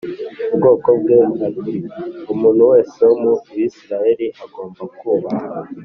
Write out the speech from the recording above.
ubwoko bwe ati umuntu wese wo mu bisirayeli agomba kubaha